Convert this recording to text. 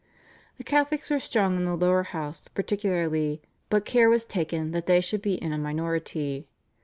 The Catholics were strong in the Lower House particularly, but care was taken that they should be in a minority.